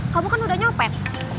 kamu kan udah nyopet